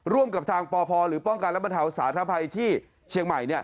ร่วมกับทางปพหรือป้องกันและบรรเทาสาธภัยที่เชียงใหม่